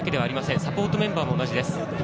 サポートメンバーも同じです。